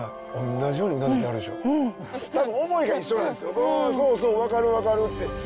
「そうそう分かる分かる」って。